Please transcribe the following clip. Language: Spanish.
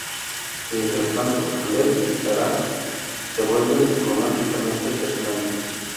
Mientras tanto, Caleb y Sarah se vuelven románticamente cercanos.